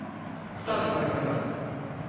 スタートされました。